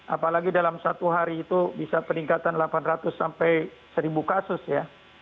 apalagi dalam satu hari itu bisa peningkatan delapan ratus sampai seribu kasus ya